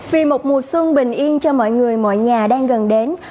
vì một mùa xuân bình yên cho mọi người mọi nhà đang gần đến